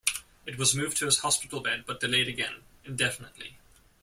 It was moved to his hospital bed but delayed again, indefinitely.